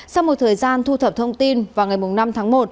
sau một thời gian thu thập thông tin vào ngày năm tháng một